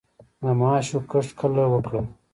د ماشو کښت کله وکړم؟